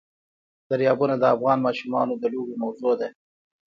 دریابونه د افغان ماشومانو د لوبو موضوع ده.